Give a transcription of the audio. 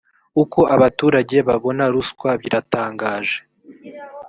uko abaturage babona ruswa biratangaje.